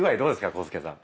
浩介さん。